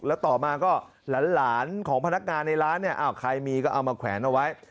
แล้วต่อมาก็หลานของพนักงานในร้านเนี่ยอ้าวใครมีก็เอามาแขวนเอาไว้